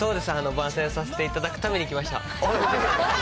番宣させていただくために来ました。